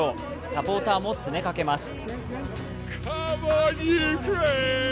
サポーターも詰めかけます。